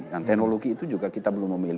dan teknologi itu juga kita belum tahu